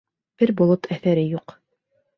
Бер болот әҫәре юҡ.